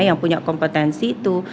yang punya kompetensi itu